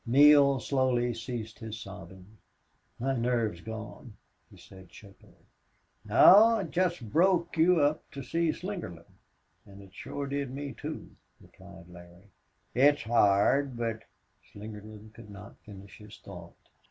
Neale slowly ceased his sobbing. "My nerve's gone," he said, shakily. "No. It jest broke you all up to see Slingerland. An' it shore did me, too," replied Larry. "It's hard, but " Slingerland could not finish his thought.